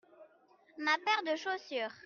ma paire de chaussures.